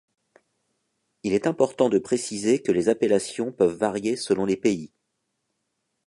Il est important de préciser que les appellations peuvent varier selon les pays.